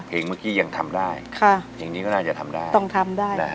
เมื่อกี้ยังทำได้ค่ะเพลงนี้ก็น่าจะทำได้ต้องทำได้นะฮะ